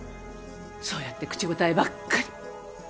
そうやって口答えばっかり。